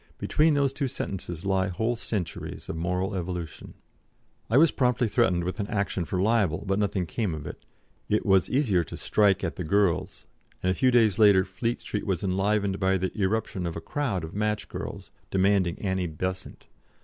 Between those two sentences lie whole centuries of moral evolution." I was promptly threatened with an action for libel, but nothing came of it; it was easier to strike at the girls, and a few days later Fleet Street was enlivened by the irruption of a crowd of match girls, demanding Annie Besant.